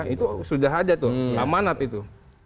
itu sudah ada tuh amanat itu